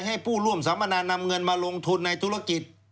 ให้ผู้ร่วมสัมมนานำเงินมาลงทุนในธุรกิจ